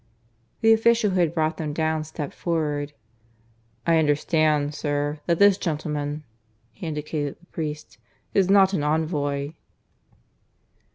The official who had brought them down stepped forward. "I understand, sir, that this gentleman" (he indicated the priest) "is not an envoy."